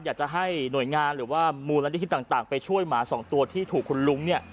อยากจะให้หน่วยงานหรือว่ามูลนิธิต่างไปช่วยหมาสองตัวที่ถูกคุณลุงเนี่ย